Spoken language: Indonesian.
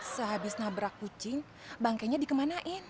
sehabis nabrak kucing bangkenya dikemanain